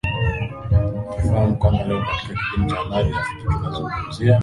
ukifahamu kwamba leo katika kipindi cha habari rafiki tunazungumzia